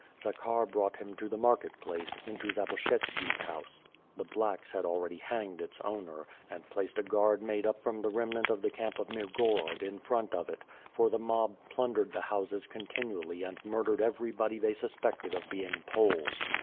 Zakhar brought him to the market place, into Zabokehytski's house — the "blacks'* had already hanged its owner, and placed a guard made up from the remnant of the camp of Mirgorod in front of it, for the mob plundered the houses continually and mur dered everybody they suspected of being Poles.